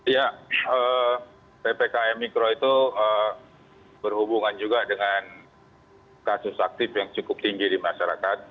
ya ppkm mikro itu berhubungan juga dengan kasus aktif yang cukup tinggi di masyarakat